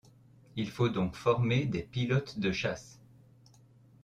Il faut donc former des pilotes de chasse.